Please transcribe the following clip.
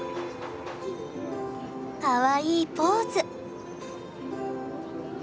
かわいいポーズ。